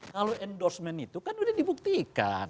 kalau endorsement itu kan sudah dibuktikan